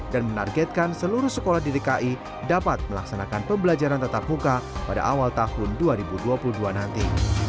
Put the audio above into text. dan menargetkan seluruh sekolah dki dapat melaksanakan pembelajaran tatap muka pada awal tahun dua ribu dua puluh dua nanti